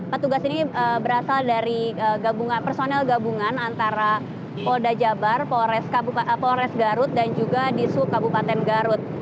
petugas ini berasal dari gabungan personel gabungan antara pol dajabar pol res garut dan juga di sub kabupaten garut